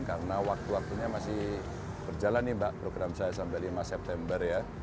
karena waktu waktunya masih berjalan nih mbak program saya sampai lima september ya